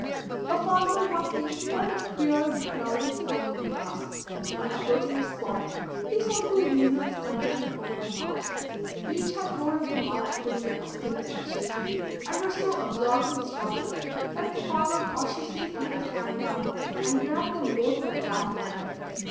A farmer one day heard a queer growling sound in the grass; on approaching the spot he saw two weasels contending over a mouse; each had hold of the mouse pulling in opposite directions, and were so absorbed in the struggle that the farmer cautiously put his hands down and grabbed them both by the back of the neck.